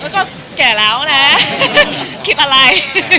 ก็แก่แล้วนะคิดอะไร